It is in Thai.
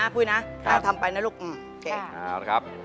ถ้าทำไปนะลูก